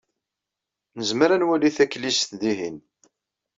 Nezmer ad nwali taklizt dihin.